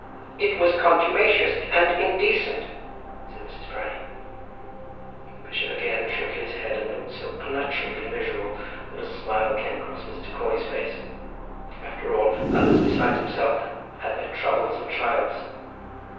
"It was contumacious and indecent," said Mrs. Proudie. The bishop again shook his head and looked so unutterably miserable that a smile came across Mr. Crawley's face. After all, others besides himself had their troubles and trials.